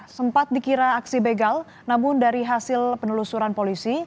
sempat dikira aksi begal namun dari hasil penelusuran polisi